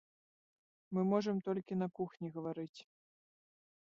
Мы можам толькі на кухні гаварыць.